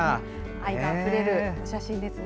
愛があふれるお写真ですね。